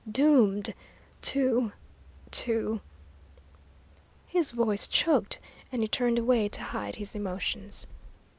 Doomed to to " His voice choked, and he turned away to hide his emotions.